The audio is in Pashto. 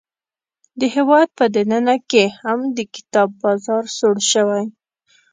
د هیواد په دننه کې هم د کتاب بازار سوړ شوی.